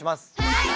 はい！